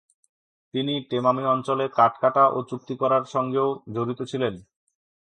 তিনি টেমামি অঞ্চলে কাঠ কাটা ও চুক্তি করার সঙ্গেও জড়িত ছিলেন।